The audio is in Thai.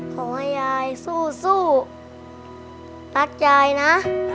ขอให้ยายสู้รักยายนะ